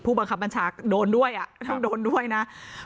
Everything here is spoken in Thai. บังคับบัญชาโดนด้วยไม่ต้องโดนด้วยนะ